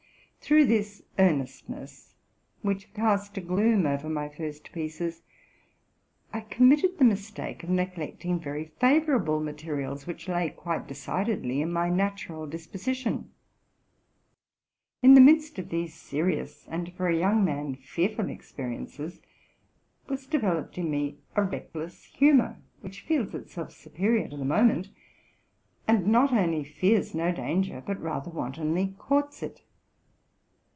Through this earnestness, which cast a gloom over my first pieces, I committed the mistake of neglecting very favorable materials which lay quite decidedly in my natural disposition. In the midst of these serious, and, for a young man, fearful, experiences, was developed in me a reckless humor, which feels itself superior to the moment, and not only fears no danger, but rather wantonly courts it.